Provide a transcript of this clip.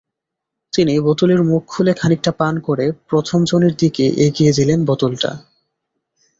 তিনি বোতলের মুখ খুলে খানিকটা পান করে প্রথমজনের দিকে এগিয়ে দিলেন বোতলটা।